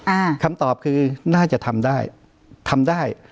อ่าคำตอบคือน่าจะทำได้ทำได้